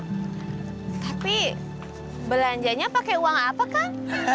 tapi belanjanya pake uang apa kak